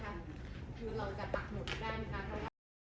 คือเราจะตักหมดด้านการเข้า